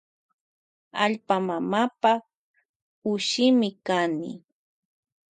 Allpa mamapa ushimi kani.